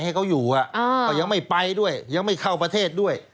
ให้เขาอยู่ก็ยังไม่ไปด้วยยังไม่เข้าประเทศด้วย